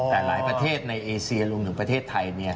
แต่หลายประเทศในเอเซียรวมถึงประเทศไทย